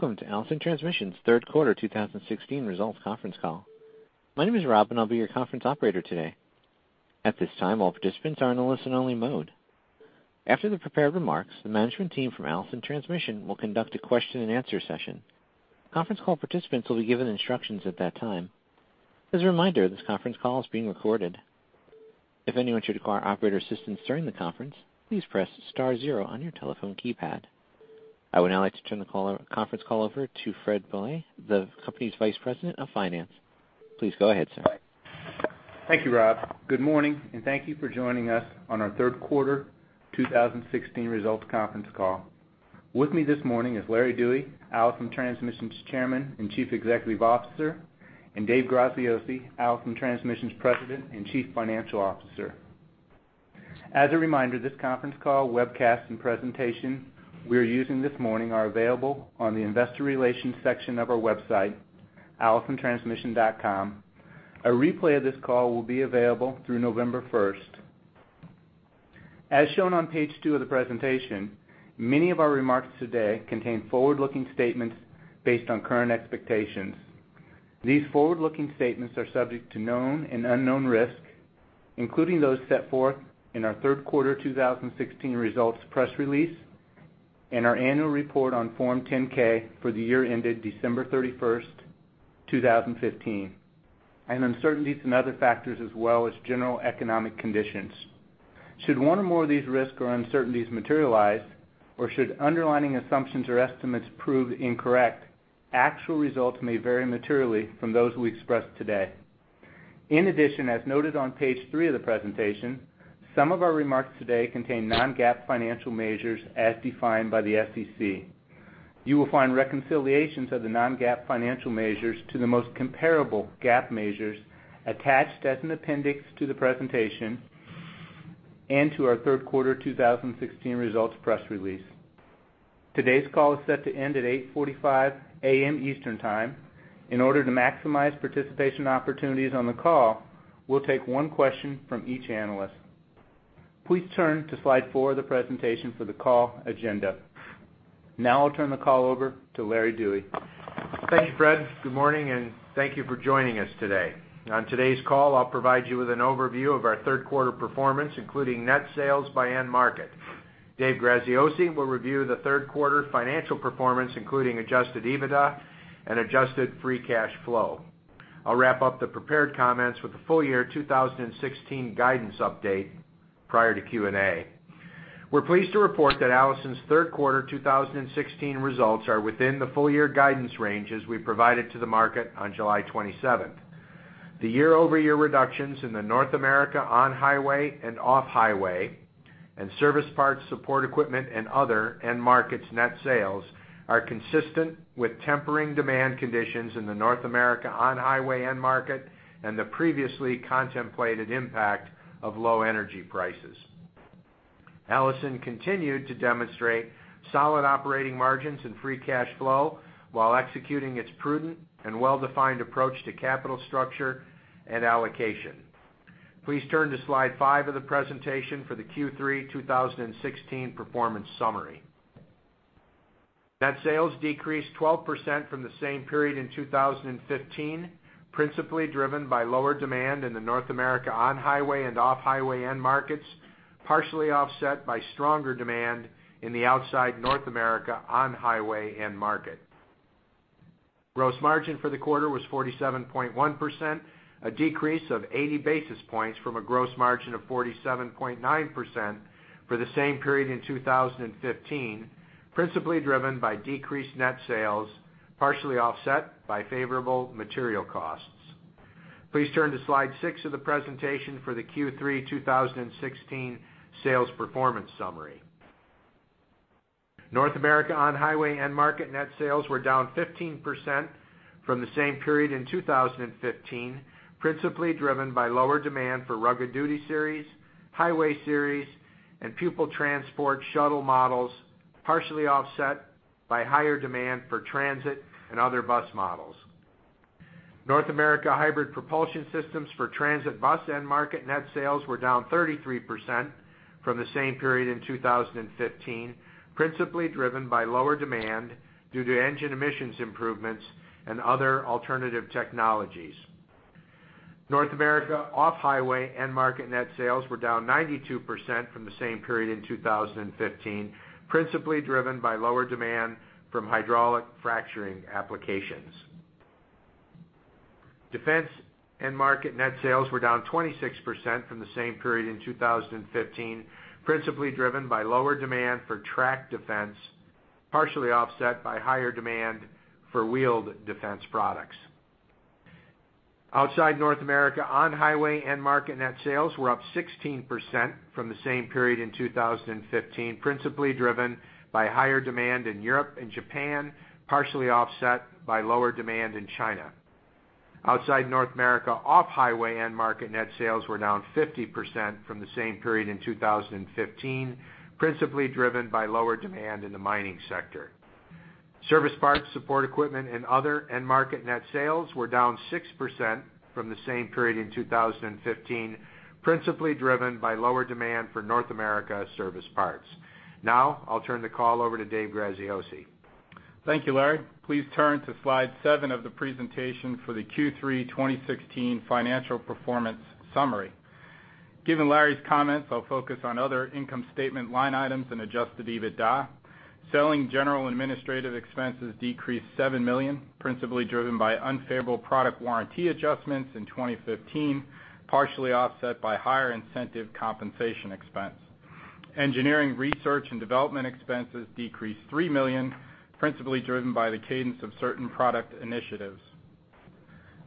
Welcome to Allison Transmission's Third Quarter 2016 Results Conference Call. My name is Rob, and I'll be your conference operator today. At this time, all participants are in a listen-only mode. After the prepared remarks, the management team from Allison Transmission will conduct a question-and-answer session. Conference call participants will be given instructions at that time. As a reminder, this conference call is being recorded. If anyone should require operator assistance during the conference, please press star zero on your telephone keypad. I would now like to turn the conference call over to Fred Bohley, the company's Vice President of Finance. Please go ahead, sir. Thank you, Rob. Good morning, and thank you for joining us on our third quarter 2016 results conference call. With me this morning is Larry Dewey, Allison Transmission's Chairman and Chief Executive Officer, and Dave Graziosi, Allison Transmission's President and Chief Financial Officer. As a reminder, this conference call, webcast, and presentation we are using this morning are available on the investor relations section of our website, allisontransmission.com. A replay of this call will be available through November 1. As shown on page 2 of the presentation, many of our remarks today contain forward-looking statements based on current expectations. These forward-looking statements are subject to known and unknown risks, including those set forth in our third quarter 2016 results press release and our annual report on Form 10-K for the year ended December 31, 2015, and uncertainties and other factors, as well as general economic conditions. Should one or more of these risks or uncertainties materialize, or should underlying assumptions or estimates prove incorrect, actual results may vary materially from those we express today. In addition, as noted on page 3 of the presentation, some of our remarks today contain non-GAAP financial measures as defined by the SEC. You will find reconciliations of the non-GAAP financial measures to the most comparable GAAP measures attached as an appendix to the presentation and to our third quarter 2016 results press release. Today's call is set to end at 8:45 A.M. Eastern Time. In order to maximize participation opportunities on the call, we'll take one question from each analyst. Please turn to slide 4 of the presentation for the call agenda. Now I'll turn the call over to Larry Dewey. Thank you, Fred. Good morning, and thank you for joining us today. On today's call, I'll provide you with an overview of our third quarter performance, including net sales by end market. Dave Graziosi will review the third quarter financial performance, including adjusted EBITDA and adjusted free cash flow. I'll wrap up the prepared comments with the full year 2016 guidance update prior to Q&A. We're pleased to report that Allison's third quarter 2016 results are within the full year guidance ranges we provided to the market on July 27. The year-over-year reductions in the North America on-highway and off-highway and service parts, support equipment, and other end markets net sales are consistent with tempering demand conditions in the North America on-highway end market and the previously contemplated impact of low energy prices. Allison continued to demonstrate solid operating margins and free cash flow while executing its prudent and well-defined approach to capital structure and allocation. Please turn to slide 5 of the presentation for the Q3 2016 performance summary. Net sales decreased 12% from the same period in 2015, principally driven by lower demand in the North America on-highway and off-highway end markets, partially offset by stronger demand in the outside North America on-highway end market. Gross margin for the quarter was 47.1%, a decrease of 80 basis points from a gross margin of 47.9% for the same period in 2015, principally driven by decreased net sales, partially offset by favorable material costs. Please turn to slide 6 of the presentation for the Q3 2016 sales performance summary. North America on-highway end market net sales were down 15% from the same period in 2015, principally driven by lower demand for Rugged Duty Series, Highway Series, and Pupil Transport/Shuttle models, partially offset by higher demand for transit and other bus models. North America Hybrid Propulsion Systems for transit bus end market net sales were down 33% from the same period in 2015, principally driven by lower demand due to engine emissions improvements and other alternative technologies. North America off-highway end market net sales were down 92% from the same period in 2015, principally driven by lower demand from hydraulic fracturing applications. Defense end market net sales were down 26% from the same period in 2015, principally driven by lower demand for tracked defense, partially offset by higher demand for wheeled defense products. Outside North America, on-highway end market net sales were up 16% from the same period in 2015, principally driven by higher demand in Europe and Japan, partially offset by lower demand in China. Outside North America, off-highway end market net sales were down 50% from the same period in 2015, principally driven by lower demand in the mining sector. Service parts, support equipment, and other end market net sales were down 6% from the same period in 2015, principally driven by lower demand for North America service parts. Now I'll turn the call over to Dave Graziosi. Thank you, Larry. Please turn to Slide 7 of the presentation for the Q3 2016 financial performance summary. Given Larry's comments, I'll focus on other income statement line items and adjusted EBITDA. Selling, general, and administrative expenses decreased $7 million, principally driven by unfavorable product warranty adjustments in 2015, partially offset by higher incentive compensation expense. Engineering, research, and development expenses decreased $3 million, principally driven by the cadence of certain product initiatives.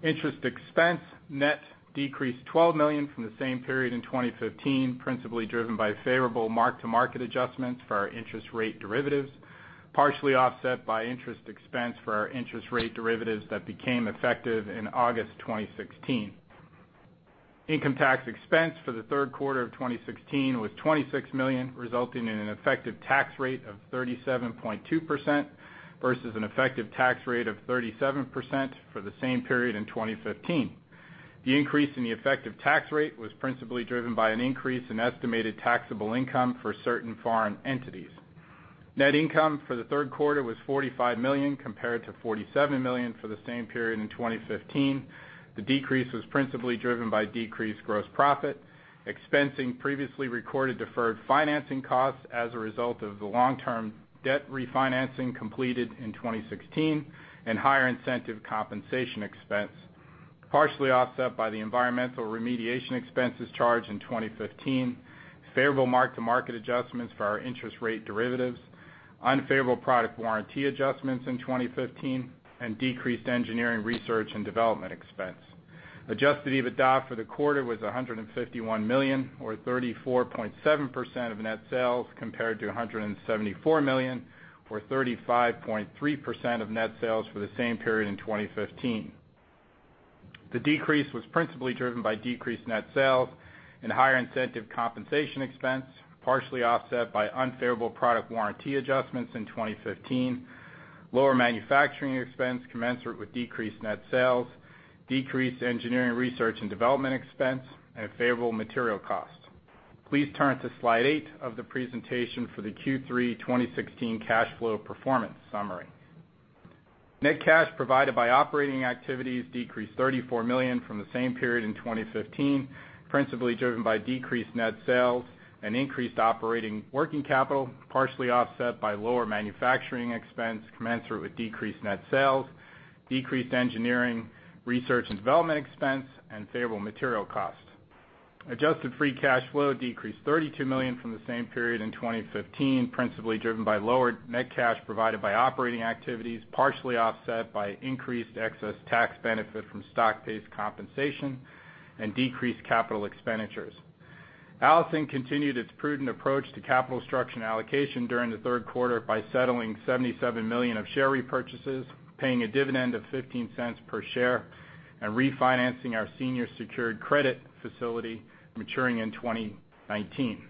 Interest expense net decreased $12 million from the same period in 2015, principally driven by favorable mark-to-market adjustments for our interest rate derivatives, partially offset by interest expense for our interest rate derivatives that became effective in August 2016. Income tax expense for the third quarter of 2016 was $26 million, resulting in an effective tax rate of 37.2%, versus an effective tax rate of 37% for the same period in 2015. The increase in the effective tax rate was principally driven by an increase in estimated taxable income for certain foreign entities. Net income for the third quarter was $45 million, compared to $47 million for the same period in 2015. The decrease was principally driven by decreased gross profit, expensing previously recorded deferred financing costs as a result of the long-term debt refinancing completed in 2016, and higher incentive compensation expense, partially offset by the environmental remediation expenses charged in 2015, favorable mark-to-market adjustments for our interest rate derivatives, unfavorable product warranty adjustments in 2015, and decreased engineering, research, and development expense. Adjusted EBITDA for the quarter was $151 million, or 34.7% of net sales, compared to $174 million, or 35.3% of net sales for the same period in 2015. The decrease was principally driven by decreased net sales and higher incentive compensation expense, partially offset by unfavorable product warranty adjustments in 2015, lower manufacturing expense commensurate with decreased net sales, decreased engineering, research, and development expense, and favorable material costs. Please turn to Slide 8 of the presentation for the Q3 2016 cash flow performance summary. Net cash provided by operating activities decreased $34 million from the same period in 2015, principally driven by decreased net sales and increased operating working capital, partially offset by lower manufacturing expense commensurate with decreased net sales, decreased engineering, research, and development expense, and favorable material costs. Adjusted Free Cash Flow decreased $32 million from the same period in 2015, principally driven by lower net cash provided by operating activities, partially offset by increased excess tax benefit from stock-based compensation and decreased capital expenditures. Allison continued its prudent approach to capital structure and allocation during the third quarter by settling $77 million of share repurchases, paying a dividend of $0.15 per share, and refinancing our senior secured credit facility maturing in 2019.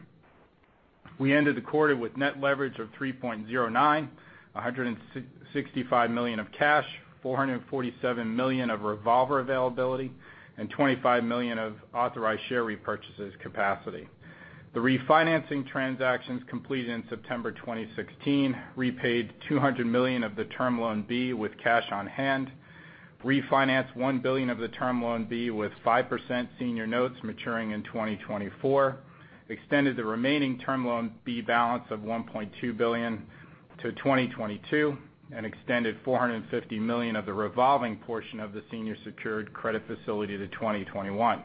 We ended the quarter with net leverage of 3.09, $165 million of cash, $447 million of revolver availability, and $25 million of authorized share repurchases capacity. The refinancing transactions completed in September 2016 repaid $200 million of the Term Loan B with cash on hand, refinanced $1 billion of the Term Loan B with 5% senior notes maturing in 2024, extended the remaining Term Loan B balance of $1.2 billion to 2022, and extended $450 million of the revolving portion of the senior secured credit facility to 2021.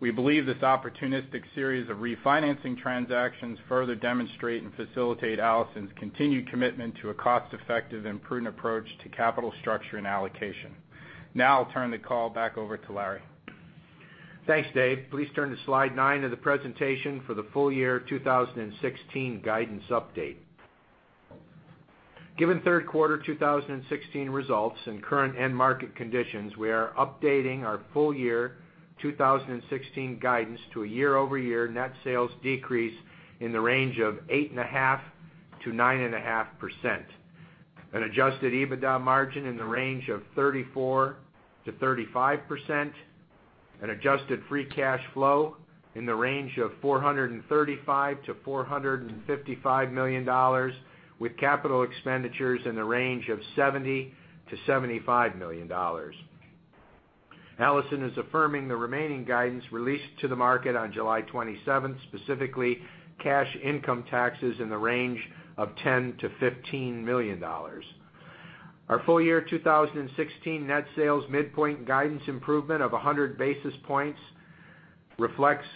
We believe this opportunistic series of refinancing transactions further demonstrate and facilitate Allison's continued commitment to a cost-effective and prudent approach to capital structure and allocation. Now I'll turn the call back over to Larry. Thanks, Dave. Please turn to Slide 9 of the presentation for the full year 2016 guidance update. Given third quarter 2016 results and current end market conditions, we are updating our full year 2016 guidance to a year-over-year net sales decrease in the range of 8.5%-9.5%, an adjusted EBITDA margin in the range of 34%-35%, an adjusted free cash flow in the range of $435 million-$455 million, with capital expenditures in the range of $70 million-$75 million. Allison is affirming the remaining guidance released to the market on July 27, specifically cash income taxes in the range of $10 million-$15 million. Our full year 2016 net sales midpoint guidance improvement of 100 basis points reflects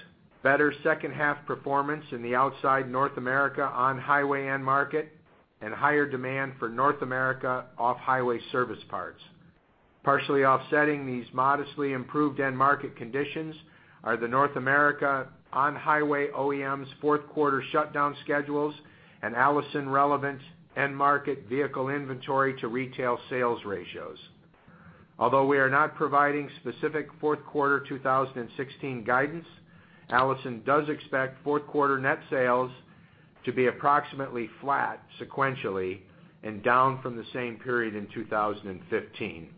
better second half performance in the outside North America on-highway end market and higher demand for North America off-highway service parts. Partially offsetting these modestly improved end market conditions are the North America on-highway OEMs' fourth quarter shutdown schedules and Allison-relevant end market vehicle inventory to retail sales ratios. Although we are not providing specific fourth quarter 2016 guidance, Allison does expect fourth quarter net sales to be approximately flat sequentially and down from the same period in 2015.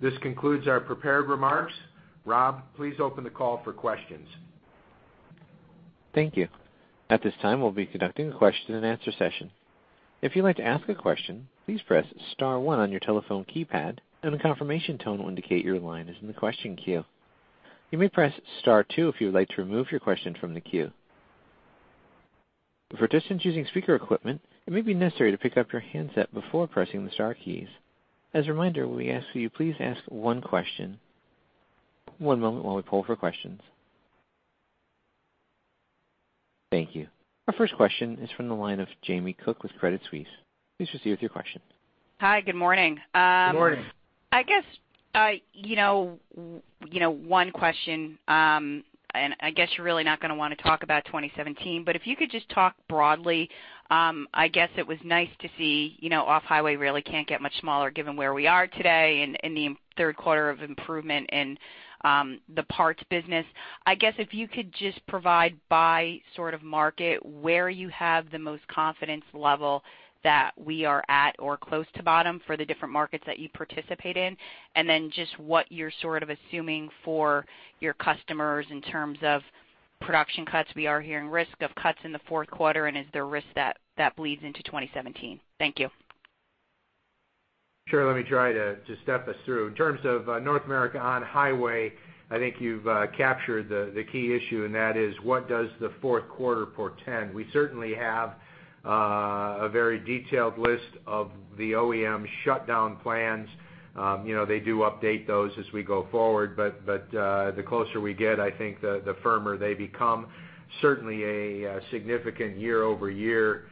This concludes our prepared remarks. Rob, please open the call for questions. Thank you. At this time, we'll be conducting a question-and-answer session. If you'd like to ask a question, please press star one on your telephone keypad, and a confirmation tone will indicate your line is in the question queue. You may press star two if you would like to remove your question from the queue. For participants using speaker equipment, it may be necessary to pick up your handset before pressing the star keys. As a reminder, we ask that you please ask one question. One moment while we poll for questions. Thank you. Our first question is from the line of Jamie Cook with Credit Suisse. Please proceed with your question. Hi, good morning. Good morning. I guess, you know, you know, one question, and I guess you're really not gonna wanna talk about 2017, but if you could just talk broadly, I guess it was nice to see, you know, off-highway really can't get much smaller given where we are today and, and the third quarter of improvement in the parts business. I guess if you could just provide by sort of market, where you have the most confidence level that we are at or close to bottom for the different markets that you participate in. And then just what you're sort of assuming for your customers in terms of production cuts. We are hearing risk of cuts in the fourth quarter, and is there risk that that bleeds into 2017? Thank you. Sure. Let me try to step us through. In terms of North America on-highway, I think you've captured the key issue, and that is, what does the fourth quarter portend? We certainly have a very detailed list of the OEM shutdown plans. You know, they do update those as we go forward, but the closer we get, I think the firmer they become, certainly a significant year-over-year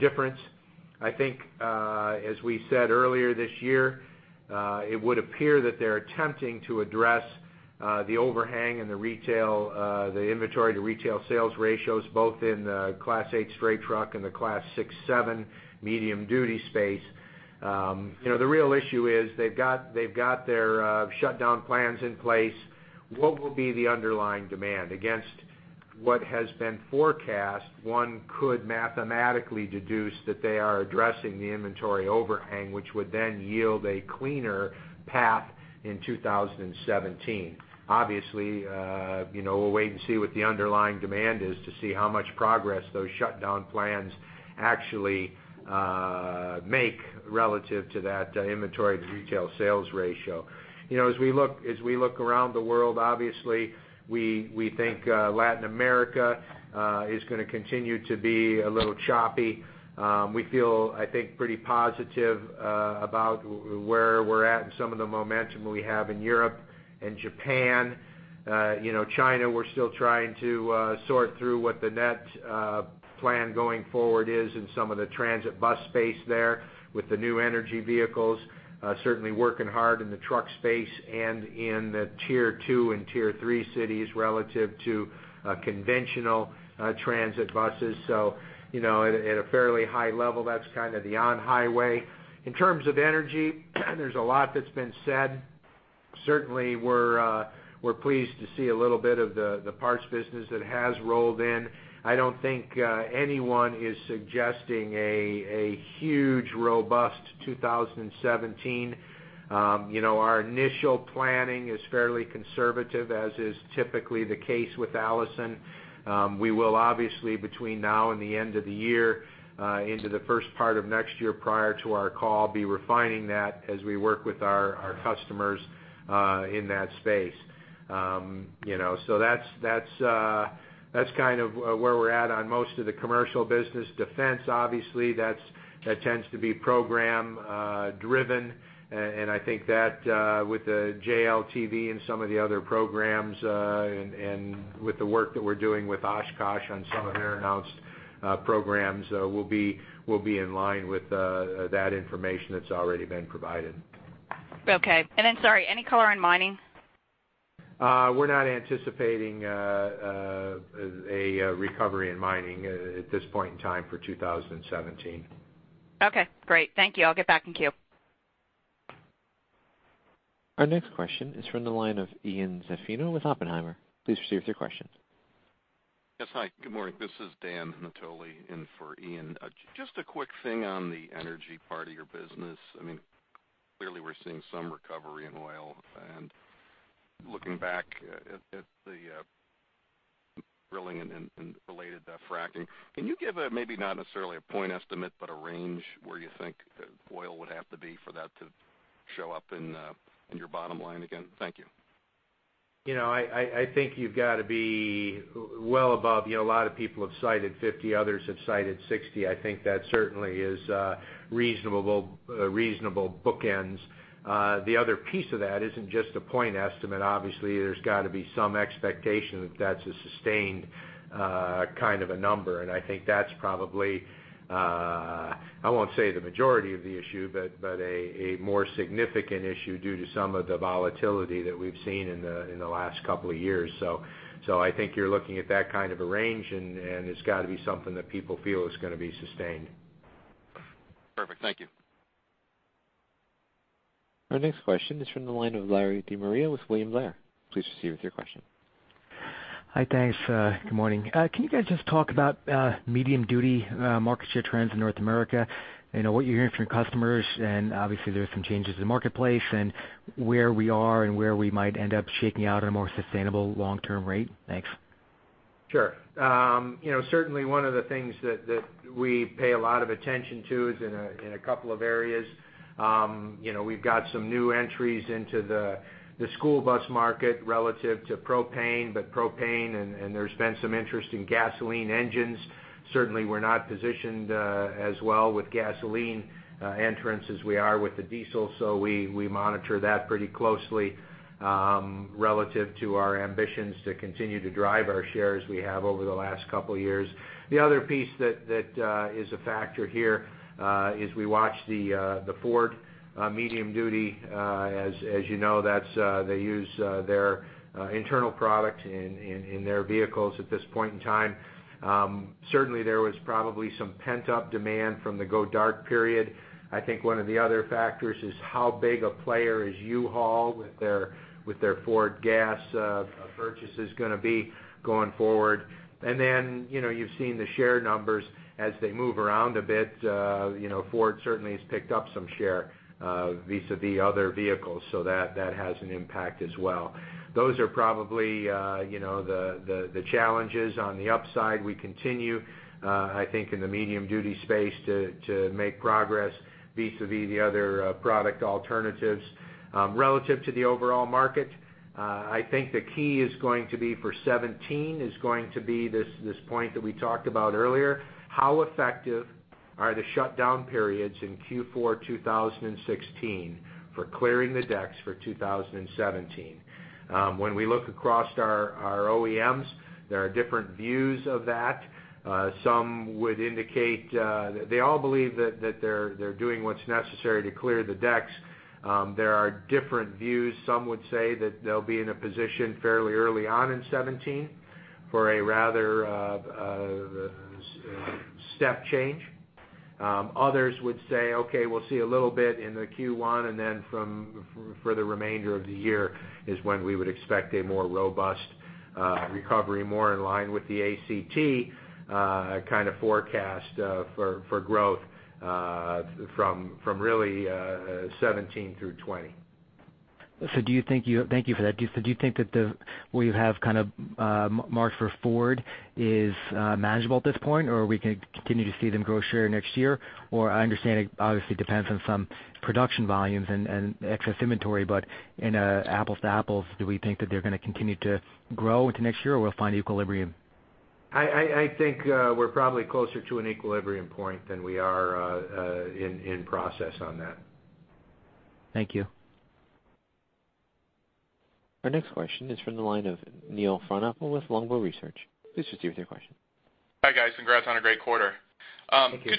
difference. I think, as we said earlier this year, it would appear that they're attempting to address the overhang in the retail the inventory to retail sales ratios, both in the Class 8 straight truck and the Class 6, 7 medium duty space. You know, the real issue is they've got their shutdown plans in place. What will be the underlying demand against what has been forecast? One could mathematically deduce that they are addressing the inventory overhang, which would then yield a cleaner path in 2017. Obviously, you know, we'll wait and see what the underlying demand is to see how much progress those shutdown plans actually make relative to that inventory to retail sales ratio. You know, as we look around the world, obviously, we think Latin America is gonna continue to be a little choppy. We feel, I think, pretty positive about where we're at and some of the momentum we have in Europe and Japan. You know, China, we're still trying to sort through what the net plan going forward is in some of the transit bus space there with the New Energy Vehicles. Certainly working hard in the truck space and in the Tier Two and Tier Three cities relative to conventional transit buses. So, you know, at a fairly high level, that's kind of the on-highway. In terms of energy, there's a lot that's been said. Certainly, we're pleased to see a little bit of the parts business that has rolled in. I don't think anyone is suggesting a huge, robust 2017. You know, our initial planning is fairly conservative, as is typically the case with Allison. We will obviously, between now and the end of the year, into the first part of next year, prior to our call, be refining that as we work with our customers in that space. You know, so that's, that's, that's kind of where we're at on most of the commercial business. Defense, obviously, that's that tends to be program driven, and I think that, with the JLTV and some of the other programs, and, and with the work that we're doing with Oshkosh on some of their announced, programs, we'll be, we'll be in line with the, that information that's already been provided. Okay. And then, sorry, any color on mining? We're not anticipating a recovery in mining at this point in time for 2017. Okay, great. Thank you. I'll get back in queue. Our next question is from the line of Ian Zaffino with Oppenheimer. Please proceed with your question. Yes. Hi, good morning. This is Dan Natoli, in for Ian. Just a quick thing on the energy part of your business. I mean, clearly, we're seeing some recovery in oil, and looking back at the drilling and related fracking, can you give maybe not necessarily a point estimate, but a range where you think oil would have to be for that to show up in your bottom line again? Thank you. You know, I think you've got to be well above—you know, a lot of people have cited 50, others have cited 60. I think that certainly is reasonable, reasonable bookends. The other piece of that isn't just a point estimate. Obviously, there's got to be some expectation that that's a sustained kind of a number, and I think that's probably—I won't say the majority of the issue, but a more significant issue due to some of the volatility that we've seen in the last couple of years. So I think you're looking at that kind of a range, and it's got to be something that people feel is gonna be sustained. Perfect. Thank you. Our next question is from the line of Larry De Maria with William Blair. Please proceed with your question. Hi, thanks. Good morning. Can you guys just talk about medium duty market share trends in North America? You know, what you're hearing from your customers, and obviously there are some changes in the marketplace, and where we are and where we might end up shaking out a more sustainable long-term rate? Thanks. ...Sure. You know, certainly one of the things that we pay a lot of attention to is in a couple of areas. You know, we've got some new entries into the school bus market relative to propane, butane, and there's been some interest in gasoline engines. Certainly, we're not positioned as well with gasoline entrants as we are with the diesel, so we monitor that pretty closely, relative to our ambitions to continue to drive our shares we have over the last couple of years. The other piece that is a factor here is we watch the Ford medium-duty, as you know, that they use their internal product in their vehicles at this point in time. Certainly, there was probably some pent-up demand from the go dark period. I think one of the other factors is how big a player is U-Haul with their, with their Ford gas purchases gonna be going forward. And then, you know, you've seen the share numbers as they move around a bit. You know, Ford certainly has picked up some share vis-à-vis other vehicles, so that, that has an impact as well. Those are probably, you know, the, the, the challenges. On the upside, we continue, I think in the medium duty space, to, to make progress vis-à-vis the other product alternatives. Relative to the overall market, I think the key is going to be for 2017, is going to be this, this point that we talked about earlier, how effective are the shutdown periods in Q4, 2016, for clearing the decks for 2017? When we look across our OEMs, there are different views of that. Some would indicate, they all believe that they're doing what's necessary to clear the decks. There are different views. Some would say that they'll be in a position fairly early on in 2017 for a rather, step change. Others would say, "Okay, we'll see a little bit in the Q1, and then from for the remainder of the year, is when we would expect a more robust recovery, more in line with the ACT kind of forecast for growth from really 2017 through 2020. So do you think you... Thank you for that. So do you think that the, where you have kind of, market for Ford is, manageable at this point, or we can continue to see them grow share next year? Or I understand it obviously depends on some production volumes and, and excess inventory, but in an apples-to-apples, do we think that they're gonna continue to grow into next year, or we'll find equilibrium? I think we're probably closer to an equilibrium point than we are in process on that. Thank you. Our next question is from the line of Neil Frohnapple with Longbow Research. Please proceed with your question. Hi, guys. Congrats on a great quarter. Thank you.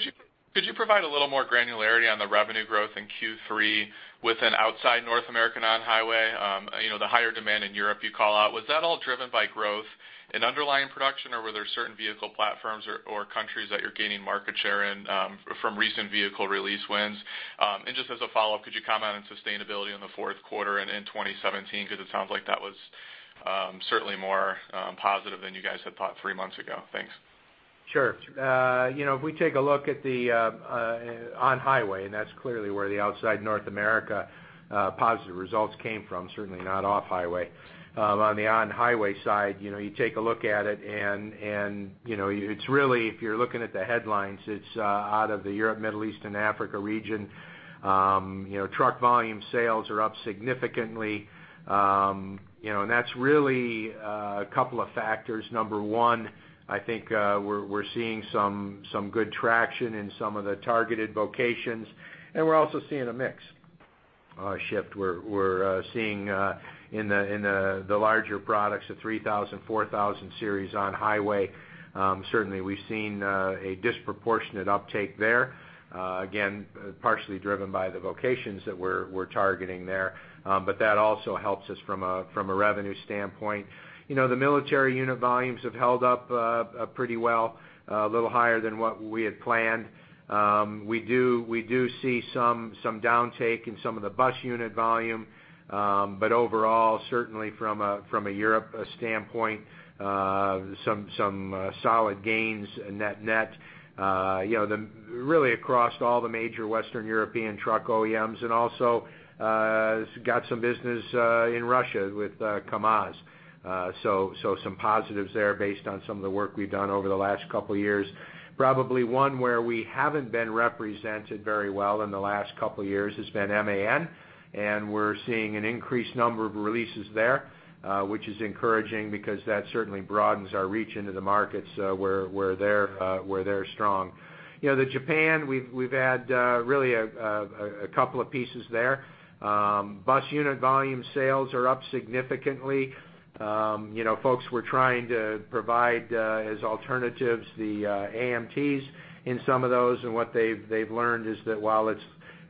Could you provide a little more granularity on the revenue growth in Q3 outside North America on-highway? You know, the higher demand in Europe, you call out. Was that all driven by growth in underlying production, or were there certain vehicle platforms or countries that you're gaining market share in from recent vehicle release wins? And just as a follow-up, could you comment on sustainability in the fourth quarter and in 2017? Because it sounds like that was certainly more positive than you guys had thought three months ago. Thanks. Sure. You know, if we take a look at the on-highway, and that's clearly where the outside North America positive results came from, certainly not off-highway. On the on-highway side, you know, you take a look at it, and you know, it's really, if you're looking at the headlines, it's out of the Europe, Middle East, and Africa region. You know, truck volume sales are up significantly, you know, and that's really a couple of factors. Number one, I think, we're seeing some good traction in some of the targeted vocations, and we're also seeing a mix shift. We're seeing in the larger products, the 3000, 4000 Series on-highway, certainly we've seen a disproportionate uptake there, again, partially driven by the vocations that we're targeting there. But that also helps us from a revenue standpoint. You know, the military unit volumes have held up pretty well, a little higher than what we had planned. We do see some downtake in some of the bus unit volume, but overall, certainly from a Europe standpoint, some solid gains net, you know, really across all the major Western European truck OEMs, and also got some business in Russia with KAMAZ. So some positives there based on some of the work we've done over the last couple of years. Probably one where we haven't been represented very well in the last couple of years has been MAN, and we're seeing an increased number of releases there, which is encouraging because that certainly broadens our reach into the markets where they're strong. You know, in Japan, we've had really a couple of pieces there. Bus unit volume sales are up significantly. You know, folks were trying to provide as alternatives the AMTs in some of those, and what they've learned is that while it's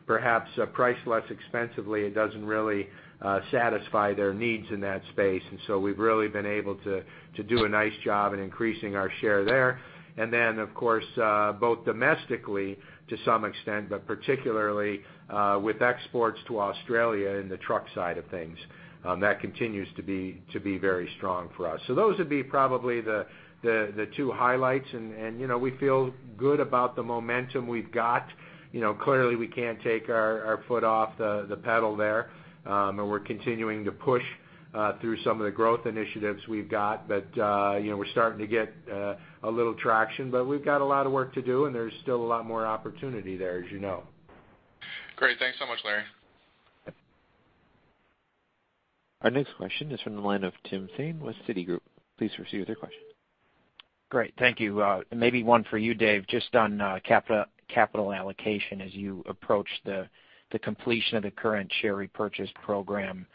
perhaps priced less expensively, it doesn't really satisfy their needs in that space. And so we've really been able to do a nice job in increasing our share there. And then, of course, both domestically to some extent, but particularly, with exports to Australia in the truck side of things, that continues to be very strong for us. So those would be probably the two highlights, and, you know, we feel good about the momentum we've got. You know, clearly, we can't take our foot off the pedal there, and we're continuing to push through some of the growth initiatives we've got. But, you know, we're starting to get a little traction, but we've got a lot of work to do, and there's still a lot more opportunity there, as you know. Great. Thanks so much, Larry. Our next question is from the line of Tim Thein with Citigroup. Please proceed with your question. Great, thank you. Maybe one for you, Dave, just on capital allocation as you approach the completion of the current share repurchase program,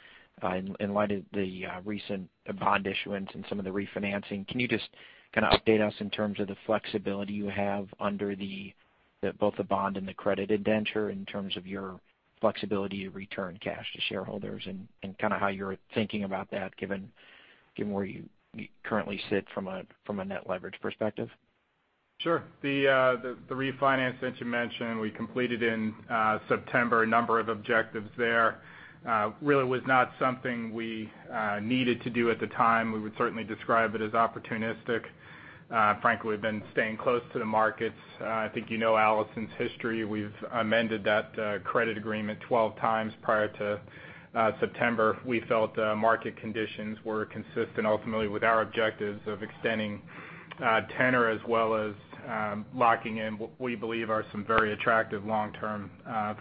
in light of the recent bond issuance and some of the refinancing. Can you just kind of update us in terms of the flexibility you have under both the bond and the credit indenture, in terms of your flexibility to return cash to shareholders and kind of how you're thinking about that, given where you currently sit from a net leverage perspective? Sure. The refinance that you mentioned, we completed in September, a number of objectives there. Really was not something we needed to do at the time. We would certainly describe it as opportunistic. Frankly, we've been staying close to the markets. I think you know Allison's history. We've amended that credit agreement 12 times prior to September. We felt market conditions were consistent ultimately with our objectives of extending tenor, as well as locking in what we believe are some very attractive long-term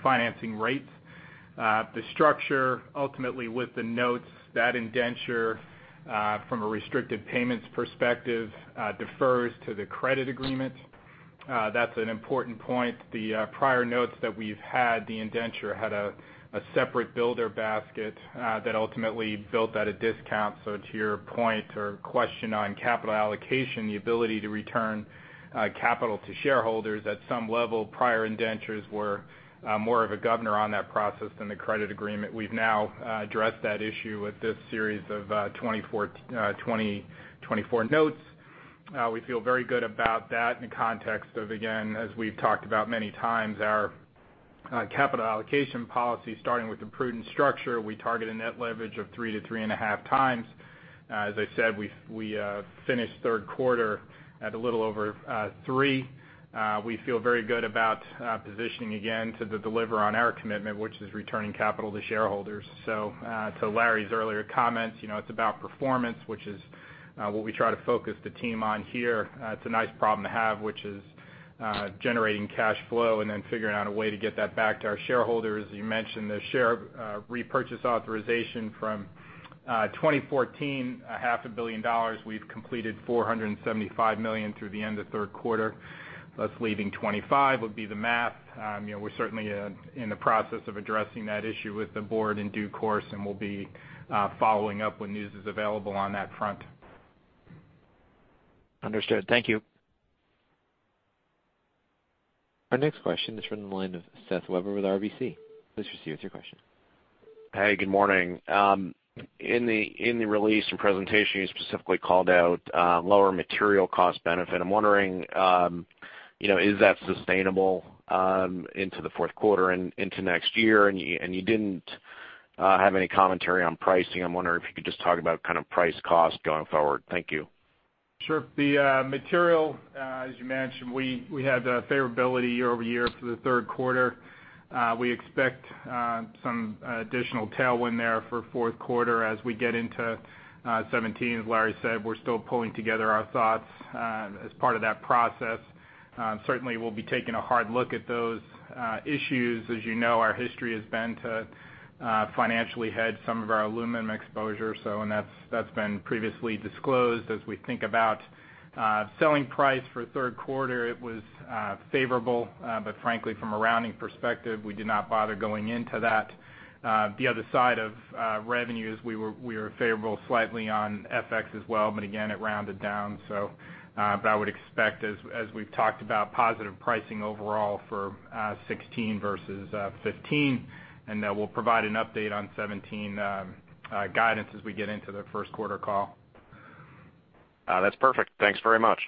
financing rates. The structure, ultimately, with the notes, that indenture from a restricted payments perspective, defers to the credit agreement. That's an important point. The prior notes that we've had, the indenture, had a separate builder basket that ultimately built at a discount. So to your point or question on capital allocation, the ability to return capital to shareholders at some level, prior indentures were more of a governor on that process than the credit agreement. We've now addressed that issue with this series of 2024 notes. We feel very good about that in the context of, again, as we've talked about many times, our capital allocation policy, starting with the prudent structure. We target a net leverage of 3-3.5x. As I said, we finished third quarter at a little over 3. We feel very good about positioning again to deliver on our commitment, which is returning capital to shareholders. So, to Larry's earlier comments, you know, it's about performance, which is what we try to focus the team on here. It's a nice problem to have, which is generating cash flow and then figuring out a way to get that back to our shareholders. You mentioned the share repurchase authorization from 2014, $500 million. We've completed $475 million through the end of third quarter, thus leaving $25 million, would be the math. You know, we're certainly in the process of addressing that issue with the board in due course, and we'll be following up when news is available on that front. Understood. Thank you. Our next question is from the line of Seth Weber with RBC. Please proceed with your question. Hey, good morning. In the release and presentation, you specifically called out lower material cost benefit. I'm wondering, you know, is that sustainable into the fourth quarter and into next year? And you didn't have any commentary on pricing. I'm wondering if you could just talk about kind of price cost going forward. Thank you. Sure. The material, as you mentioned, we had a favorability year-over-year for the third quarter. We expect some additional tailwind there for fourth quarter as we get into 2017. As Larry said, we're still pulling together our thoughts as part of that process. Certainly, we'll be taking a hard look at those issues. As you know, our history has been to financially hedge some of our aluminum exposure, so and that's been previously disclosed. As we think about selling price for third quarter, it was favorable, but frankly, from a rounding perspective, we did not bother going into that. The other side of revenues, we were favorable slightly on FX as well, but again, it rounded down. But I would expect, as we've talked about, positive pricing overall for 2016 versus 2015, and that we'll provide an update on 2017 guidance as we get into the first quarter call. That's perfect. Thanks very much.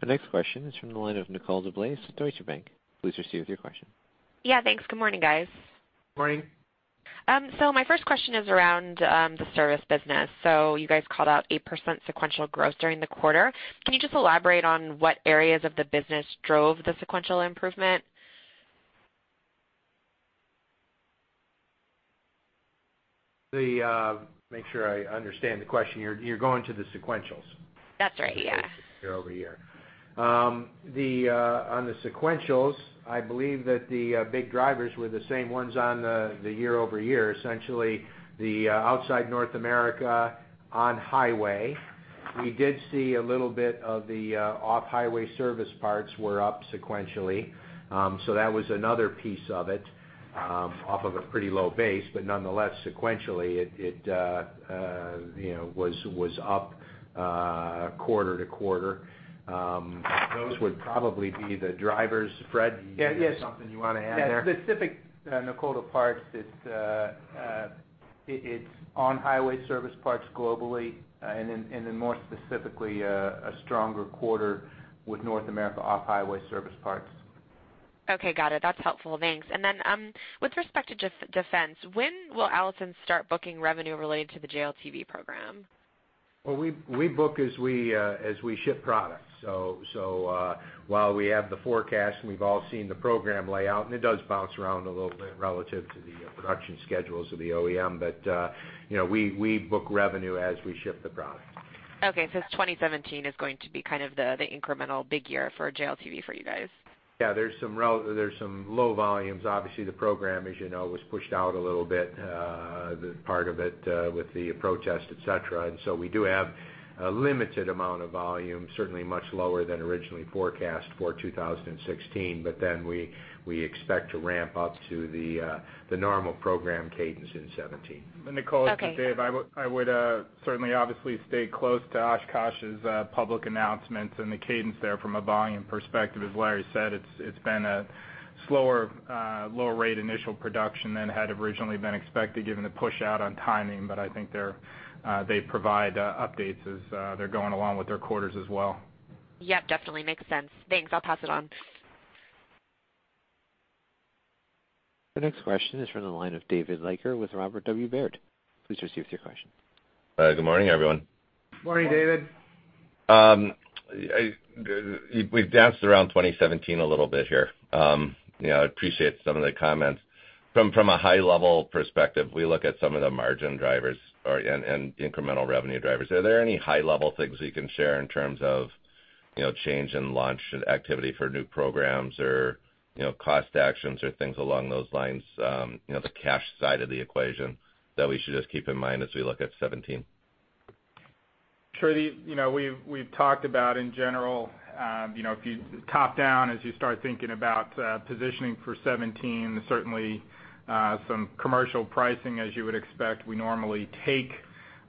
The next question is from the line of Nicole DeBlase, Deutsche Bank. Please proceed with your question. Yeah, thanks. Good morning, guys. Morning. My first question is around the service business. You guys called out 8% sequential growth during the quarter. Can you just elaborate on what areas of the business drove the sequential improvement? The, make sure I understand the question. You're, you're going to the sequentials? That's right, yeah. Year over year. On the sequentials, I believe that the big drivers were the same ones on the year over year. Essentially, outside North America, on-highway. We did see a little bit of the off-highway service parts were up sequentially. So that was another piece of it, off of a pretty low base, but nonetheless, sequentially, it you know was up quarter to quarter. Those would probably be the drivers. Fred, is there- Yeah, yes. Something you want to add there? Yeah. Specifically, Nicole, parts is it's on-highway service parts globally, and then more specifically, a stronger quarter with North America off-highway service parts. Okay, got it. That's helpful. Thanks. And then, with respect to defense, when will Allison start booking revenue related to the JLTV program? Well, we book as we ship products. So, while we have the forecast, and we've all seen the program layout, and it does bounce around a little bit relative to the production schedules of the OEM, but, you know, we book revenue as we ship the product. Okay, so 2017 is going to be kind of the incremental big year for JLTV for you guys? Yeah, there's some low volumes. Obviously, the program, as you know, was pushed out a little bit, the part of it, with the protest, et cetera. And so we do have a limited amount of volume, certainly much lower than originally forecast for 2016, but then we expect to ramp up to the normal program cadence in 2017. And Nicole- Okay. And Dave, I would certainly obviously stay close to Oshkosh's public announcements and the cadence there from a volume perspective. As Larry said, it's been a slower lower rate initial production than had originally been expected, given the push out on timing. But I think they provide updates as they're going along with their quarters as well. Yep, definitely makes sense. Thanks. I'll pass it on. The next question is from the line of David Leiker with Robert W. Baird. Please receive your question. Good morning, everyone. Morning, David. I've danced around 2017 a little bit here. You know, I appreciate some of the comments. From a high level perspective, we look at some of the margin drivers or, and, and incremental revenue drivers. Are there any high level things you can share in terms of, you know, change in launch and activity for new programs or, you know, cost actions or things along those lines, you know, the cash side of the equation that we should just keep in mind as we look at 2017? Sure. You know, we've talked about in general, you know, if you top down, as you start thinking about, positioning for 2017, certainly, some commercial pricing, as you would expect, we normally take,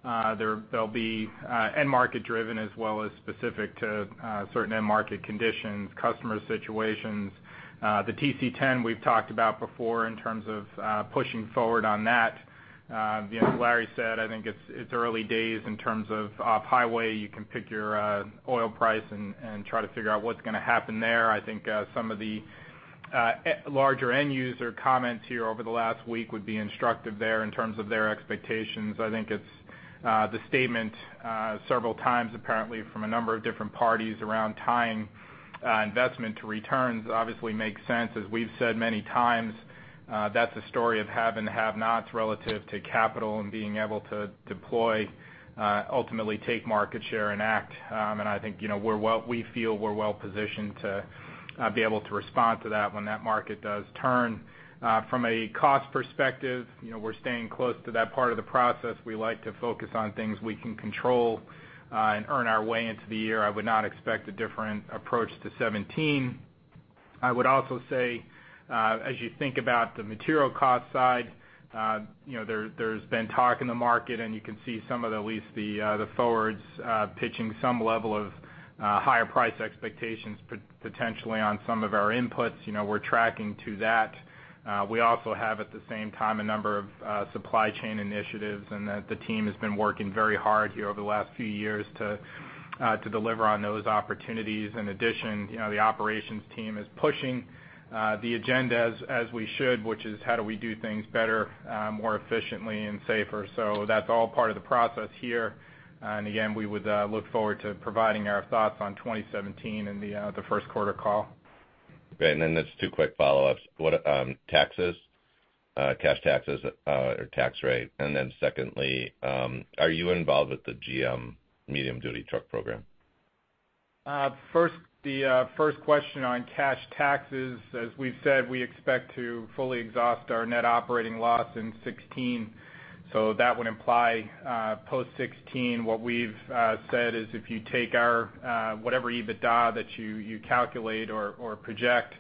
there'll be, end market driven as well as specific to, certain end market conditions, customer situations. The TC10 we've talked about before in terms of, pushing forward on that. You know, as Larry said, I think it's early days in terms of off-highway. You can pick your, oil price and try to figure out what's gonna happen there. I think, some of the, larger end user comments here over the last week would be instructive there in terms of their expectations. I think it's the statement several times, apparently from a number of different parties around tying investment to returns obviously makes sense. As we've said many times, that's a story of have and have-nots relative to capital and being able to deploy, ultimately take market share and act. And I think, you know, we feel we're well positioned to be able to respond to that when that market does turn. From a cost perspective, you know, we're staying close to that part of the process. We like to focus on things we can control, and earn our way into the year. I would not expect a different approach to 2017. I would also say, as you think about the material cost side, you know, there's been talk in the market, and you can see some of the, at least the, the forwards, pitching some level of, higher price expectations potentially on some of our inputs. You know, we're tracking to that. We also have, at the same time, a number of, supply chain initiatives, and that the team has been working very hard here over the last few years to, to deliver on those opportunities. In addition, you know, the operations team is pushing, the agenda as, as we should, which is, how do we do things better, more efficiently and safer? So that's all part of the process here. Again, we would look forward to providing our thoughts on 2017 in the first quarter call. Great. And then just two quick follow-ups. What, taxes, cash taxes, or tax rate? And then secondly, are you involved with the GM medium-duty truck program? First, the first question on cash taxes. As we've said, we expect to fully exhaust our net operating loss in 2016, so that would imply post 2016. What we've said is, if you take our whatever EBITDA that you calculate or project,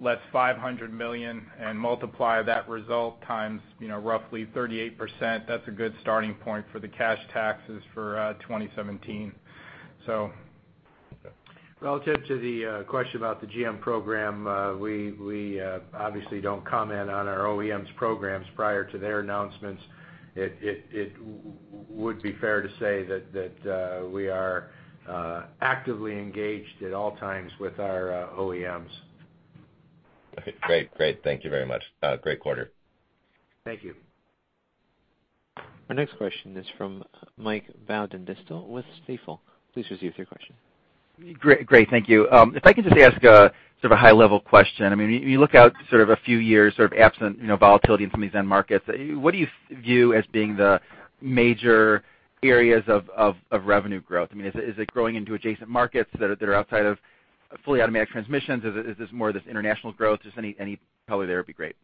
less $500 million and multiply that result times, you know, roughly 38%, that's a good starting point for the cash taxes for 2017. So... Relative to the question about the GM program, we obviously don't comment on our OEMs programs prior to their announcements. It would be fair to say that we are actively engaged at all times with our OEMs. Okay, great. Great. Thank you very much. Great quarter. Thank you. Our next question is from Mike Baudendistel with Stifel. Please receive your question. Great, great. Thank you. If I could just ask sort of a high-level question. I mean, you look out sort of a few years, sort of absent, you know, volatility in some of these end markets. What do you view as being the major areas of revenue growth? I mean, is it growing into adjacent markets that are outside of fully automatic transmissions? Is this more of this international growth? Just any color there would be great.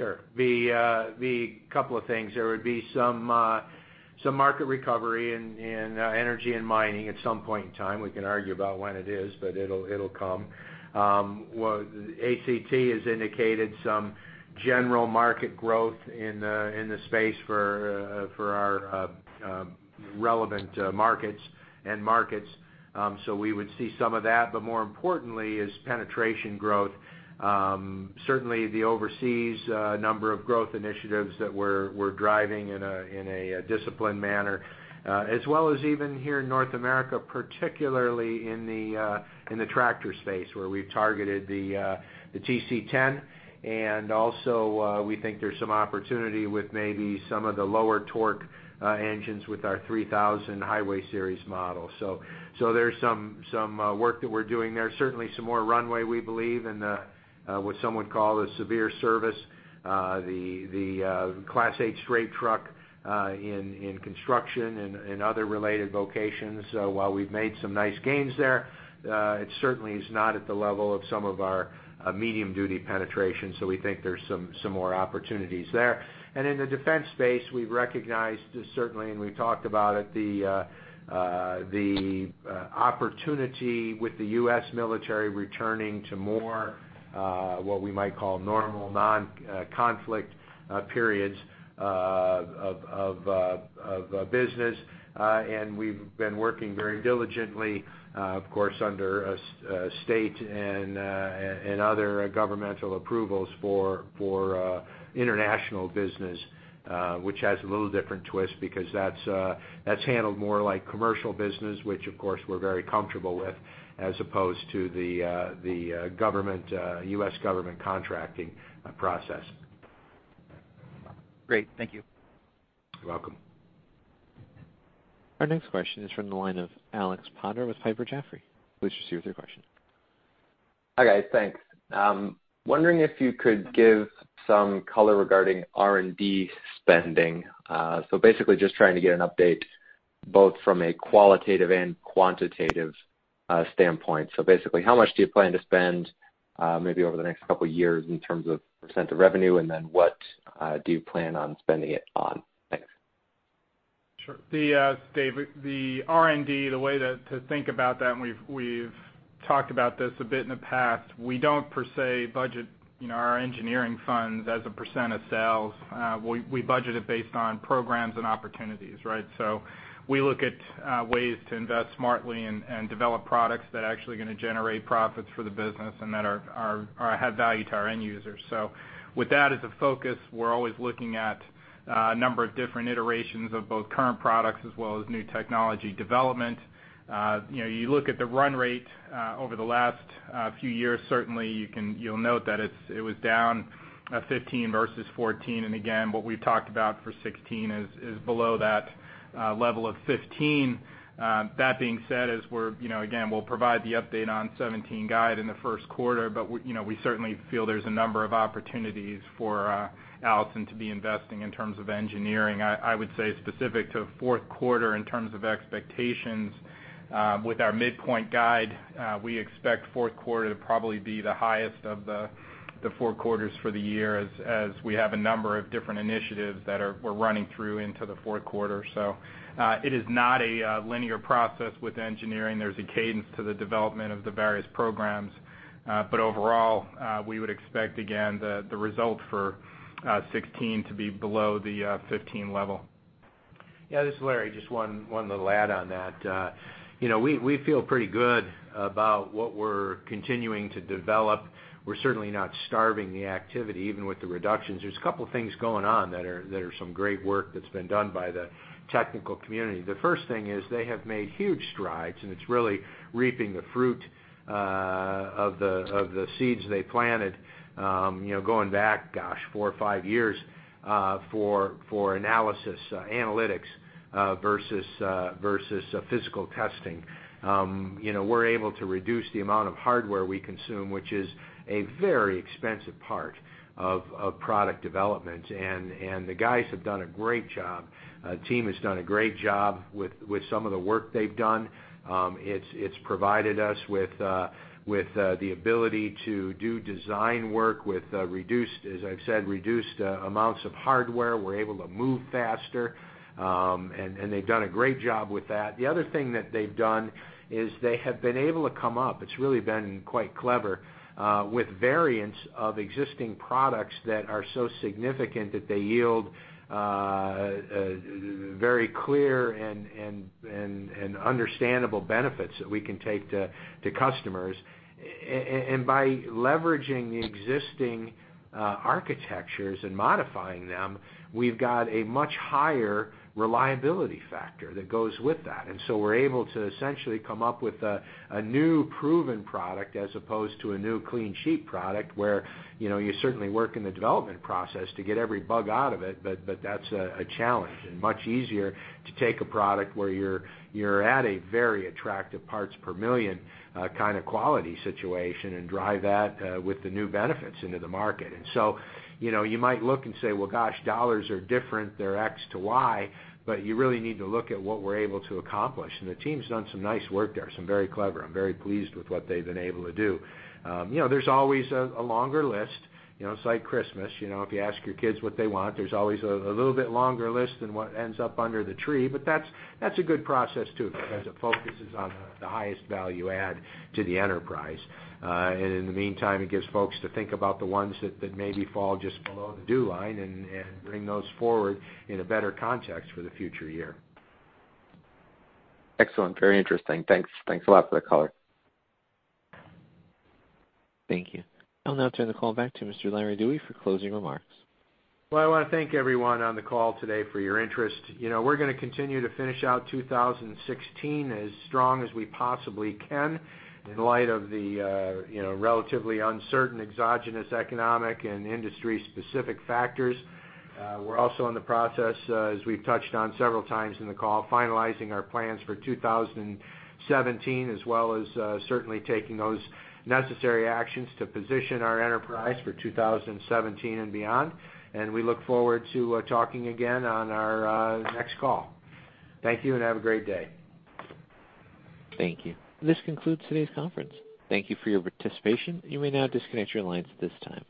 Sure. The couple of things, there would be some market recovery in energy and mining at some point in time. We can argue about when it is, but it'll, it'll come. Well, ACT has indicated some general market growth in the space for our relevant markets and markets. So we would see some of that. But more importantly is penetration growth. Certainly, the overseas number of growth initiatives that we're driving in a disciplined manner, as well as even here in North America, particularly in the tractor space, where we've targeted the TC10. And also, we think there's some opportunity with maybe some of the lower torque engines with our 3000 Highway Series model. So there's some work that we're doing there. Certainly, some more runway, we believe, in the what some would call the severe service, the Class 8 straight truck, in construction and other related locations. So while we've made some nice gains there, it certainly is not at the level of some of our medium-duty penetration, so we think there's some more opportunities there. And in the defense space, we've recognized, certainly, and we've talked about it, the opportunity with the U.S. military returning to more what we might call normal non-conflict periods of business. And we've been working very diligently, of course, under a state and other governmental approvals for international business, which has a little different twist, because that's handled more like commercial business, which, of course, we're very comfortable with, as opposed to the US government contracting process. Great. Thank you. You're welcome. Our next question is from the line of Alex Potter with Piper Jaffray. Please proceed with your question. Hi, guys. Thanks. Wondering if you could give some color regarding R&D spending. So basically, just trying to get an update, both from a qualitative and quantitative standpoint. So basically, how much do you plan to spend, maybe over the next couple of years in terms of percent of revenue, and then what do you plan on spending it on? Thanks. Sure. The R&D, the way to think about that, and we've talked about this a bit in the past, we don't, per se, budget, you know, our engineering funds as a % of sales. We budget it based on programs and opportunities, right? So we look at ways to invest smartly and develop products that are actually gonna generate profits for the business and that have value to our end users. So with that as a focus, we're always looking at number of different iterations of both current products as well as new technology development. You know, you look at the run rate over the last few years, certainly, you can—you'll note that it was down 15 versus 14. Again, what we've talked about for 2016 is below that level of 15. That being said, as we're, you know, again, we'll provide the update on 2017 guide in the first quarter, but we, you know, we certainly feel there's a number of opportunities for Allison to be investing in terms of engineering. I would say specific to fourth quarter in terms of expectations, with our midpoint guide, we expect fourth quarter to probably be the highest of the four quarters for the year, as we have a number of different initiatives that we're running through into the fourth quarter. So, it is not a linear process with engineering. There's a cadence to the development of the various programs, but overall, we would expect, again, the, the result for 2016 to be below the 2015 level. Yeah, this is Larry. Just one little add on that. You know, we feel pretty good about what we're continuing to develop. We're certainly not starving the activity, even with the reductions. There's a couple of things going on that are some great work that's been done by the technical community. The first thing is they have made huge strides, and it's really reaping the fruit of the seeds they planted, you know, going back, gosh, four or five years, for analysis, analytics, versus physical testing. You know, we're able to reduce the amount of hardware we consume, which is a very expensive part of product development. And the guys have done a great job. The team has done a great job with some of the work they've done. It's provided us with the ability to do design work with reduced, as I've said, reduced amounts of hardware. We're able to move faster, and they've done a great job with that. The other thing that they've done is they have been able to come up; it's really been quite clever, with variants of existing products that are so significant that they yield very clear and understandable benefits that we can take to customers. And by leveraging the existing architectures and modifying them, we've got a much higher reliability factor that goes with that. And so we're able to essentially come up with a new proven product, as opposed to a new clean sheet product, where, you know, you certainly work in the development process to get every bug out of it, but that's a challenge. And much easier to take a product where you're at a very attractive parts per million kind of quality situation, and drive that with the new benefits into the market. And so, you know, you might look and say, "Well, gosh, dollars are different, they're X to Y," but you really need to look at what we're able to accomplish. And the team's done some nice work there, some very clever. I'm very pleased with what they've been able to do. You know, there's always a longer list. You know, it's like Christmas, you know, if you ask your kids what they want, there's always a little bit longer list than what ends up under the tree, but that's a good process, too, because it focuses on the highest value add to the enterprise. And in the meantime, it gives folks to think about the ones that maybe fall just below the due line and bring those forward in a better context for the future year. Excellent. Very interesting. Thanks. Thanks a lot for the color. Thank you. I'll now turn the call back to Mr. Larry Dewey for closing remarks. Well, I wanna thank everyone on the call today for your interest. You know, we're gonna continue to finish out 2016 as strong as we possibly can in light of the, you know, relatively uncertain exogenous economic and industry-specific factors. We're also in the process, as we've touched on several times in the call, finalizing our plans for 2017, as well as, certainly taking those necessary actions to position our enterprise for 2017 and beyond. And we look forward to, talking again on our, next call. Thank you, and have a great day. Thank you. This concludes today's conference. Thank you for your participation. You may now disconnect your lines at this time.